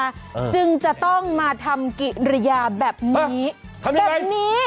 ต้องมาจึงจะต้องมาทำกิริยาแบบนี้แบบนี้เอ้อทำยังไง